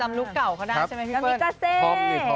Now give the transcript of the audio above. จำลูกเก่าเขาได้ใช่ไหมพี่เปิ้ล